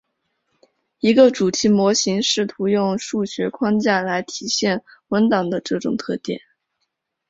一个主题模型试图用数学框架来体现文档的这种特点。